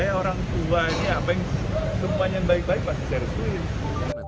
kalau saya orang tua ini apa yang semuanya baik baik pasti saya harus berhati hati